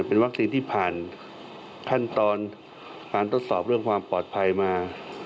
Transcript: เป็นวัคซีนที่ผ่านขั้นตอนการทดสอบเรื่องความปลอดภัยมา